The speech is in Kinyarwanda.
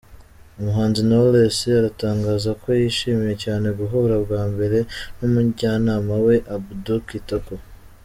Umuhanzi Knowless aratangaza ko yishimiye cyane guhura bwa mbere n’umujyanama we, Abdou Kitoko.